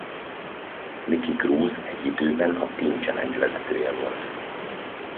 Nicky Cruz egy időben a Teen Challenge vezetője volt.